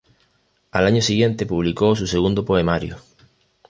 Al año siguiente publicó su segundo poemario.